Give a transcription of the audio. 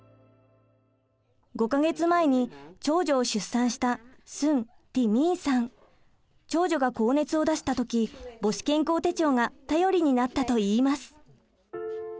５か月前に長女を出産した長女が高熱を出した時母子健康手帳が頼りになったといいます。